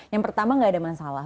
yang pertama nggak ada masalah